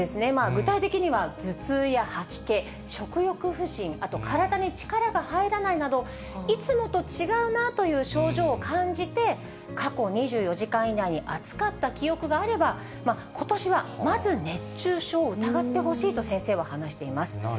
具体的には頭痛や吐き気、食欲不振、あと体に力が入らないなど、いつもと違うなという症状を感じて、過去２４時間以内に暑かった記憶があれば、ことしはまず熱中症を疑ってほしいと先生は話しています。